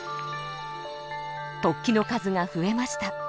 突起の数が増えました。